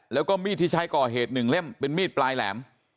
แล้วก็มีดที่ใช้ก่อเหตุ๑เล่มเป็นมีดปลายแหลม